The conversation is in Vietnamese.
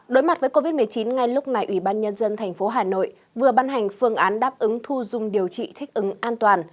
đối mặt với covid một mươi chín ngay lúc này ủy ban nhân dân tp hà nội vừa ban hành phương án đáp ứng thu dung điều trị thích ứng an toàn